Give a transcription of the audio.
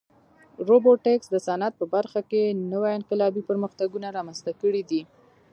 روبوټیکس د صنعت په برخه کې نوې انقلابي پرمختګونه رامنځته کړي دي.